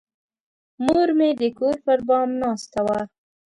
مور مې د کور پر بام ناسته وه.